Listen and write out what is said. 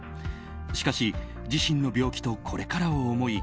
しかし自身の病気とこれからを思い